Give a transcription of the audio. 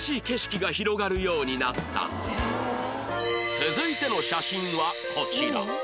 続いての写真はこちら